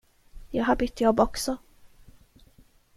Jag har bytt jobb också.